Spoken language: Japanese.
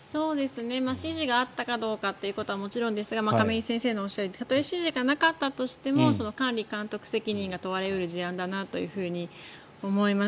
指示があったかどうかということはもちろんですが亀井先生がおっしゃるようにたとえ指示がなかったとしても管理監督責任が問われる事案だなと思います。